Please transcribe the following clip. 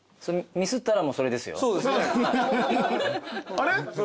あれ？